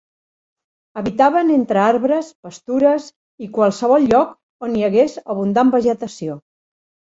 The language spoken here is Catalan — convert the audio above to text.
Habitaven entre arbres, pastures i qualsevol lloc on hi hagués abundant vegetació.